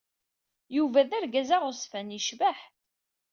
Yuba d argaz aɣezfan, yecbeḥ.